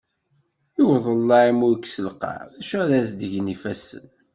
I udellaɛ i mu yekkes lqaɛ, d acu ara as-d-gen yifassen.